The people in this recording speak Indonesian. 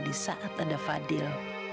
di saat ada fadil